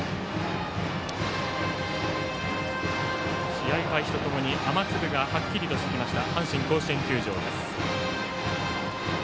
試合開始とともに雨粒がはっきりしてきた阪神甲子園球場です。